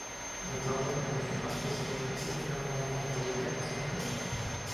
La parole est à Monsieur Marc Fesneau, pour soutenir l’amendement numéro quatre cent treize.